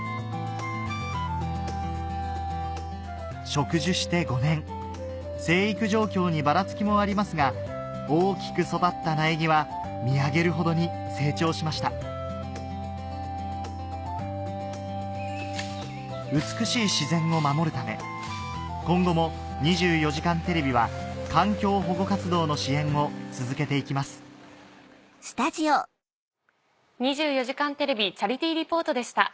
植樹して５年生育状況にばらつきもありますが大きく育った苗木は見上げるほどに成長しました美しい自然を守るため今後も『２４時間テレビ』は環境保護活動の支援を続けて行きます「２４時間テレビチャリティー・リポート」でした。